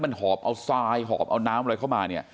มันหอบเอาสายหอบเอาน้ำอะไรเข้ามา